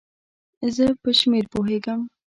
زه په شمېر پوهیږم